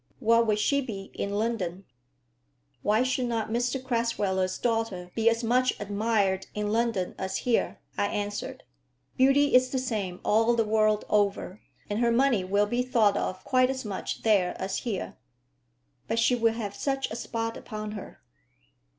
What would she be in London?" "Why should not Mr Crasweller's daughter be as much admired in London as here?" I answered. "Beauty is the same all the world over, and her money will be thought of quite as much there as here." "But she will have such a spot upon her."